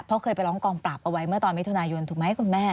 เพราะเคยไปร้องกองปราบเอาไว้เมื่อตอนมิถุนายนถูกไหมคุณแม่